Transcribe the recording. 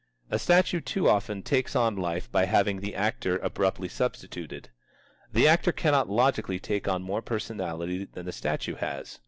A statue too often takes on life by having the actor abruptly substituted. The actor cannot logically take on more personality than the statue has.